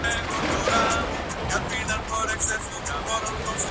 Alberga este patio restos arqueológicos pertenecientes al Museo de Huesca.